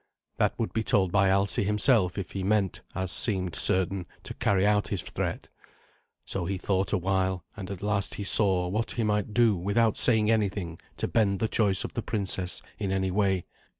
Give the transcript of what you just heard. That would be told by Alsi himself if he meant, as seemed certain, to carry out his threat. So he thought awhile, and at last he saw what he might do without saying anything to bend the choice of the princess in any way.